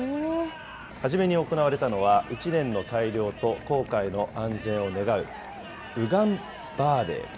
初めに行われたのは、１年の大漁と航海の安全を願う、御願バーレー。